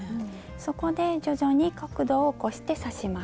そこで徐々に角度を起こして刺します。